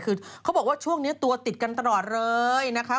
คือเขาบอกว่าช่วงนี้ตัวติดกันตลอดเลยนะคะ